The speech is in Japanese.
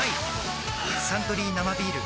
「サントリー生ビール」